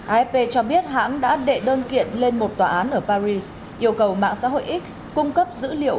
afp cho biết hãng đã đệ đơn kiện lên một tòa án ở paris yêu cầu mạng xã hội x cung cấp dữ liệu